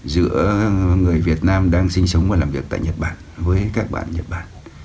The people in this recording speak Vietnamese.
giữa người việt nam đang sinh sống và làm việc tại nhật bản với các bạn nhật bản